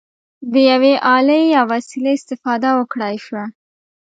د یوې الې یا وسیلې استفاده وکړای شوه.